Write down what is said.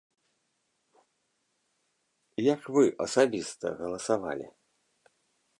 Як вы асабіста галасавалі?